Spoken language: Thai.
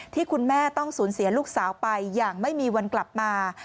ที่คุณแม่ต้องสูญเสียลูกสาวไปอย่างไม่มีวันกลับมา